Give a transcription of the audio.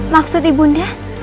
maksud ibu nda